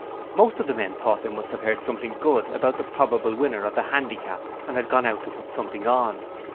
Most of the men thought they must have heard something good about the probable winner of the Handicap and had gone to put something on.